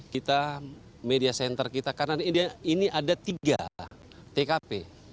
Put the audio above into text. kita media center kita karena ini ada tiga tkp